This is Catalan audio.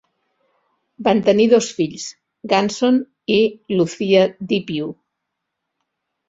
Van tenir dos fills, Ganson i Lucia Depew.